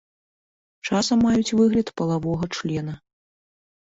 Часам маюць выгляд палавога члена.